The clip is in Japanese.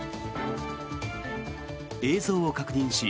映像を確認し